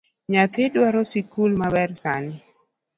Nyathi dwaro sikul maber sani